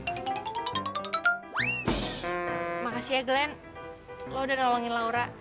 terima kasih ya glen lo udah nolongin laura